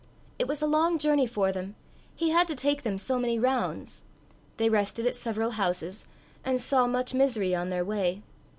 It was a long journey for them he had to take them so many rounds. They rested at several houses, and saw much misery on their way.